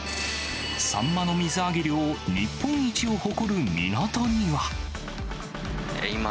サンマの水揚げ量日本一を誇る港には。